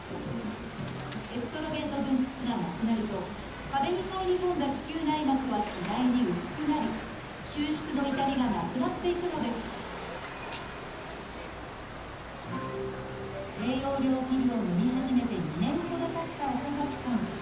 エストロゲンの分泌がなくなると壁に入り込んだ子宮内膜は次第に薄くなり収縮の痛みがなくなっていくのです低用量ピルをのみ始めて２年ほどたった岡崎さん。